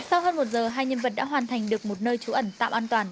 sau hơn một giờ hai nhân vật đã hoàn thành được một nơi trú ẩn tạm an toàn